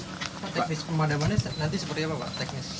pak teknis pemadamannya nanti seperti apa